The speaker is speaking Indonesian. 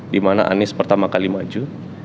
dimana anies pertama kali maju